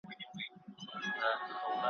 په ځنګله کي د چینجیو د میندلو ,